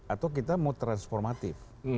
atau kita mau transformatif